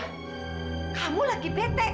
kamu lagi bete